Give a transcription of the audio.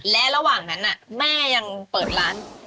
และระหว่างนั้นแม่ยังเปิดร้าน